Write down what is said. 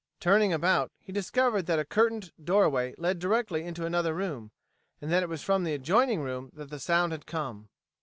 Turning about he discovered that a curtained doorway led directly into another room, and that it was from the adjoining room that the sound had come.